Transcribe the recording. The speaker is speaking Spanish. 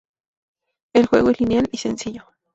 El juego es lineal y sencillo.